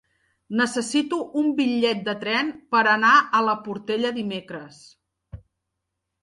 Necessito un bitllet de tren per anar a la Portella dimecres.